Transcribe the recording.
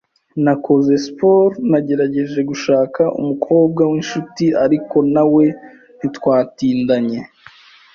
Nakoze siporo, nagerageje gushaka umukobwa w’inshuti ariko nawe ntitwatindanye